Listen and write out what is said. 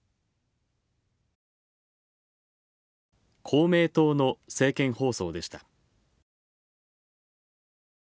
公明党の政見放送でした。